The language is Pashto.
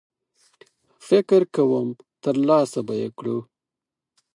فکر کوم ترلاسه به یې کړو.